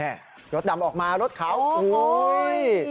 นี่รถดำออกมารถเขาโอ้ย